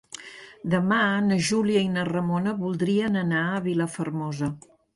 Demà na Júlia i na Ramona voldrien anar a Vilafermosa.